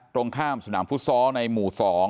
ตรงข้ามสนามฟุตซอลในหมู่๒